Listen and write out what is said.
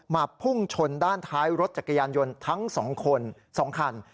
พุ่งชนด้านท้ายรถจักรยานยนต์ทั้ง๒คน๒คัน